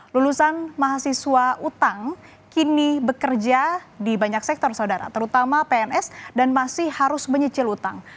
lulusan mahasiswa utang kini bekerja di banyak sektor saudara terutama pns dan masih harus menyicil utang